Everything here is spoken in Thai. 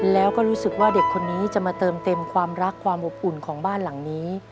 แล้วก็รู้สึกว่าเด็กคนนี้จะมาเติมเต็มความรักความอบอุ่นของบ้านหลังนี้